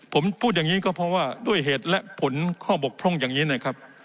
ผมพูดอย่างนี้ก็เพราะว่าด้วยเหตุและผลข้อบกพร่องอย่างนี้นะครับ